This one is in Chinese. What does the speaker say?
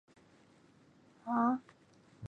位牌曰兴福院殿南天皇都心位尊仪。